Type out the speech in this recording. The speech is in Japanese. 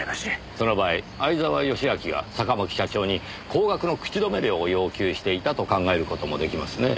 その場合相沢良明が坂巻社長に高額の口止め料を要求していたと考える事も出来ますねぇ。